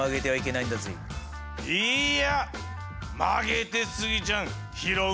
いや曲げてスギちゃん拾う。